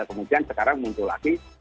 kemudian sekarang muncul lagi